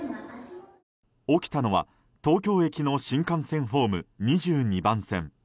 起きたのは東京駅の新幹線ホーム２２番線。